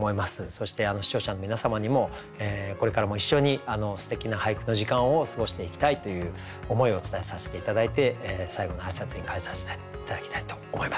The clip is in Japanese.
そして視聴者の皆様にもこれからも一緒にすてきな俳句の時間を過ごしていきたいという思いを伝えさせて頂いて最後の挨拶に代えさせて頂きたいと思います。